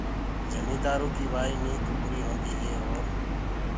جميندآرو ڪي وآئي نيت بري هوندي هي اور